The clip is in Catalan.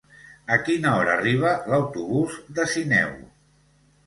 A quina hora arriba l'autobús de Sineu?